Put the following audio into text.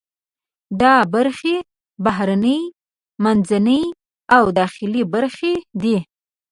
دا برخې بهرنۍ، منځنۍ او داخلي برخې دي.